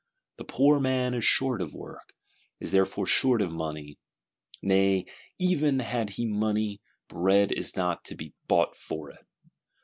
The poor man is short of work, is therefore short of money; nay even had he money, bread is not to be bought for it.